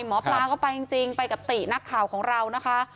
หมอปลาก็ไปจริงไปกับตินักข่าวของเรานะคะ